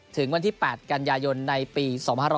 ถึงวันที่๘กันยายนในปี๒๕๖๐